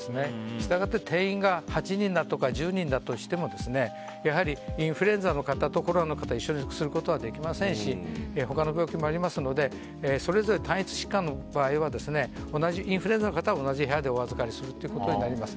したがって定員が８人だとか１０人だとしてもやはり、インフルエンザの方とコロナの方一緒にすることはできませんし他の病気もありますのでそれぞれ同じインフルエンザの方は同じ部屋でお預かりするということになります。